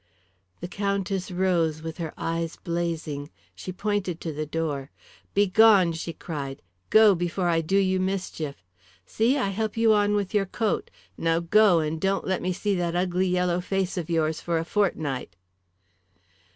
The Countess rose with her eyes blazing. She pointed to the door. "Begone!" she cried. "Go, before I do you mischief. See, I help you on with your coat. Now go, and don't let me see that ugly yellow face of yours for a fortnight."